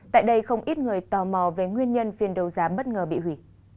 tại đây không ít người tò mò về nguyên nhân phiên đấu giá bất ngờ bị hủy